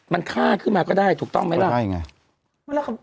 มันฆ่าขึ้นมาก็ได้ถูกต้องไหมล่ะใช่ไง